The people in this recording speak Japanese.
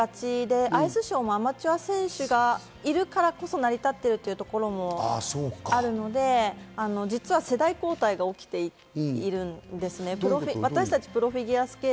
アマチュア選手に特化されがちで、アイスショーもアマチュア選手がいるから、成り立っているというところもあるので、実は世代交代が起きているんですね。